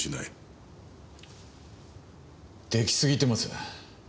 出来過ぎてます。